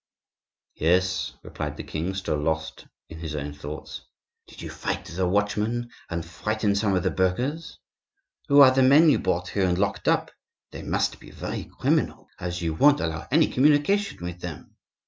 "Yes," replied the king, still lost in his own thoughts. "Did you fight the watchman and frighten some of the burghers? Who are the men you brought here and locked up? They must be very criminal, as you won't allow any communication with them.